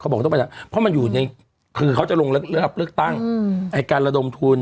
เขาบอกว่าต้องไปได้ครับเพราะมันอยู่ในคือเขาจะลงเรียบเริ่มตั้ง